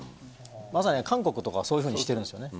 まさに韓国とかはそういうふうにしているんですね。